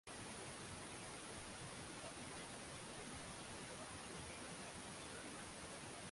Pamoja na wanyankore kuwa na chimbuko moja na lugha zinazoshahabiana